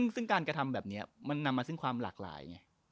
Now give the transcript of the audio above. ซึ่งการกระทำแบบนี้มันนำมาซึ่งความหลากหลายไง